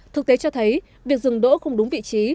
thực tế cho thấy việc dừng đỗ không đúng vị trí